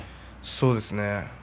そうですね。